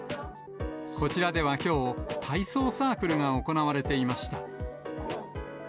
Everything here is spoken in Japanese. こちらではきょう、体操サークルが行われていました。